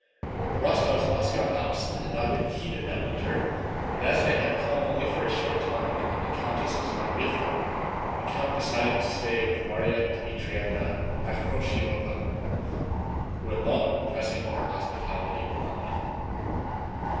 The Rostóvs' Moscow house had not been heated that winter and, as they had come only for a short time and the countess was not with them, the count decided to stay with Márya Dmítrievna Akhrosímova, who had long been pressing her hospitality on them.